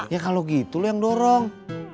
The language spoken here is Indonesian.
ya kalau gitu loh yang dorong